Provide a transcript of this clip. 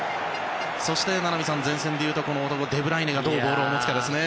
そして名波さん、前線でいうとデブライネがどうボールを持つかですね。